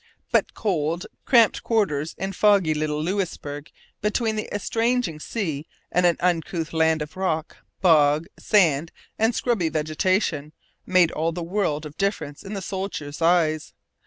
But cold, cramped quarters in foggy little Louisbourg, between the estranging sea and an uncouth land of rock, bog, sand, and scrubby vegetation, made all the world of difference in the soldier's eyes.